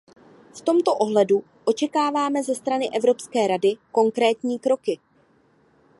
V tomto ohledu očekáváme ze strany Evropské rady konkrétní kroky.